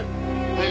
はい。